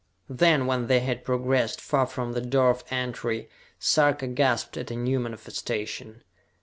Then, when they had progressed far from the door of entry, Sarka gasped at a new manifestation.